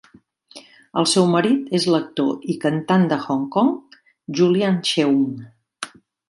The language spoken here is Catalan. El seu marit és l'actor i cantant de Hong Kong Julian Cheung.